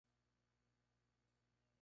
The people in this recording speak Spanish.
El depósito del regimiento está en Armagh.